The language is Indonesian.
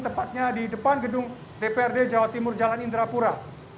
tepatnya di depan gedung dprd jawa timur jalan indrapura